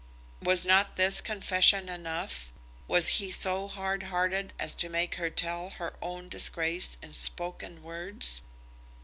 Was not this confession enough? Was he so hard hearted as to make her tell her own disgrace in spoken words?